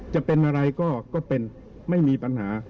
จะเป็นอะไรก็เป็นไม่มีปัญหา